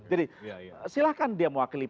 jadi silahkan dia mewakili